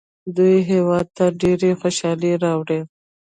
دوی هیواد ته ډېرې خوشحالۍ راوړي.